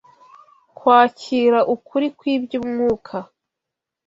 kwakira ukuri kw’iby’umwuka